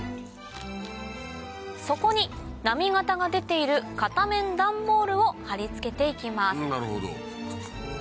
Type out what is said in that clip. そこに波形が出ている片面ダンボールを貼り付けて行きます